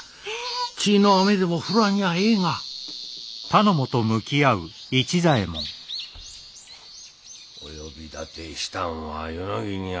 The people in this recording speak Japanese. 血の雨でも降らにゃええがお呼び立てしたんは余の儀にあらず。